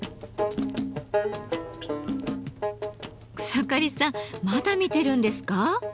草刈さんまだ見てるんですか？